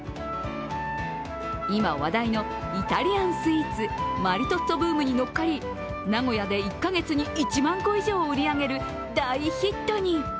今、話題のイタリアンスイーツマリトッツォブームに乗っかり名古屋で１カ月に１万個以上を売り上げる大ヒットに。